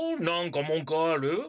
何かもんくある？